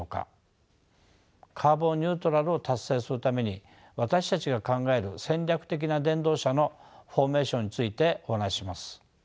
カーボン・ニュートラルを達成するために私たちが考える戦略的な電動車のフォーメーションについてお話しします。